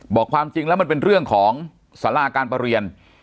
ความจริงแล้วมันเป็นเรื่องของสาราการประเรียน